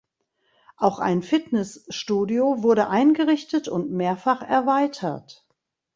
Auch ein Fitnessstudio wurde eingerichtet und mehrfach erweitert.